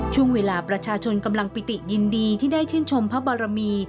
ช่วงเวลาประชาชนกำลังปิติยินดีที่ได้ชื่นชมพระบารมี